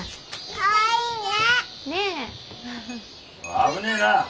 ・危ねえな！